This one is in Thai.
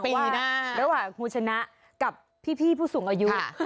ปีหน้าระหว่างคุณชนะกับพี่ผู้สูงอายุ